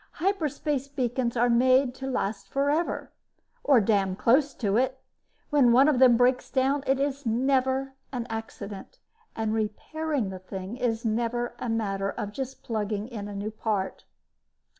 Hyperspace beacons are made to last forever or damn close to it. When one of them breaks down, it is never an accident, and repairing the thing is never a matter of just plugging in a new part."